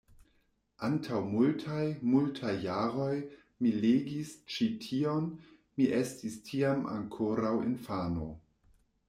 Antaŭ multaj, multaj jaroj mi legis ĉi tion, mi estis tiam ankoraŭ infano.